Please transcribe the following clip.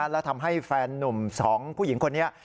และทำให้แฟนนุ่ม๒ผู้หญิงคนนี้